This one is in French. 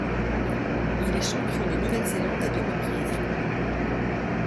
Il est champion de Nouvelle-Zélande à deux reprises.